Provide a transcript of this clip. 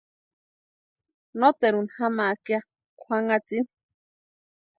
Noteruni jamaaka kwʼanhatsini.